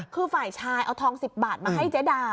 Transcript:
คือฝ่ายชายเอาทอง๑๐บาทมาให้เจ๊ดา